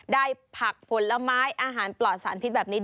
ได้ผักผลไม้อาหารปลอดสารพิษแบบนี้